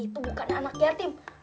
itu bukan anak yatim